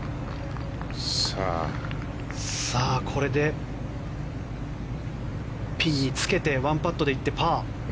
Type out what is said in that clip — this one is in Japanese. これでピンにつけて１パットでいってパー。